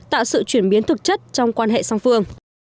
tạo sự chuyển biến thực chất trong quan hệ song phương